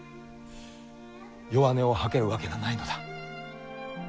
弱音を吐けるわけがないのだ。